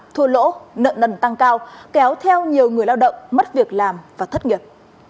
thua lỗ nợ nần tăng cao kéo theo nhiều người lao động mất việc làm và thất nghiệp